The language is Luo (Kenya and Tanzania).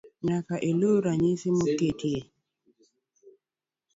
Nyaka iluw ranyisi moket e